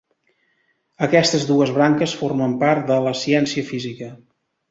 Aquestes dues branques formen part de la ciència física.